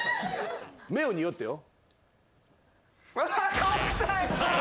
目をにおってよ。